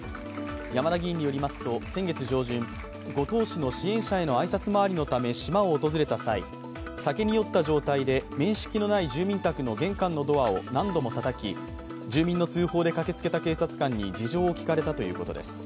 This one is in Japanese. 山田議員によりますと先月上旬、五島市の支援者の挨拶回りのため島を訪れた際酒に酔った状態で、面識のない住民宅の玄関のドアを何度もたたき住民の通報で駆けつけた警察官に事情を聴かれたということです。